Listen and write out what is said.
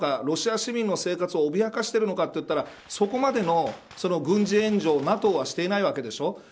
ロシア市民の生活をおびやかしているのかといったらそこまでの軍事援助をＮＡＴＯはしていないわけでしょう。